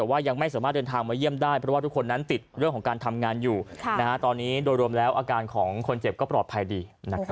วันนี้โดยรวมแล้วอาการของคนเจ็บก็ปลอดภัยดีนะครับ